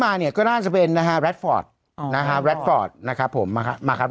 เยี่ยม